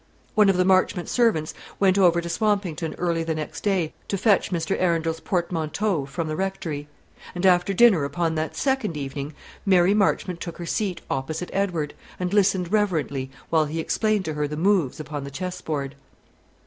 One of the Marchmont servants went over to Swampington early the next day to fetch Mr. Arundel's portmanteaus from the Rectory; and after dinner upon that second evening, Mary Marchmont took her seat opposite Edward, and listened reverently while he explained to her the moves upon the chessboard.